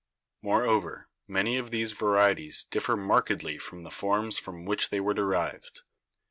Moreover, many of these varieties differ markedly from the forms from which they were derived.